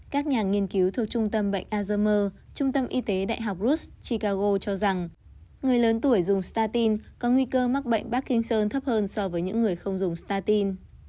các nhà nghiên cứu thuộc trung tâm bệnh alzheimer trung tâm y tế đại học ruth chicago cho rằng người lớn tuổi dùng statin có nguy cơ mắc bệnh parkinson thấp hơn so với những người không dùng statin